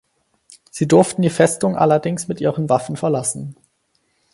Sie durften die Festung allerdings mit ihren Waffen verlassen.